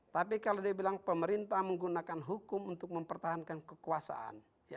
tapi kalau dia bilang pemerintah menggunakan hukum untuk mempertahankan kekuasaan